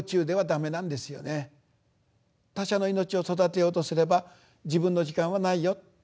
他者の命を育てようとすれば自分の時間はないよ。